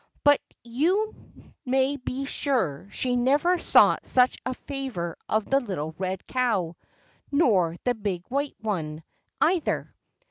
But you may be sure she never sought such a favor of the little red cow, nor the big white one, either.